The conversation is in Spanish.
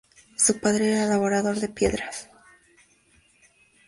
Su padre era labrador de piedras.